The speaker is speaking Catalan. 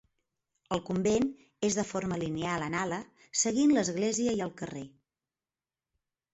El convent és de forma lineal en ala, seguint l'església i el carrer.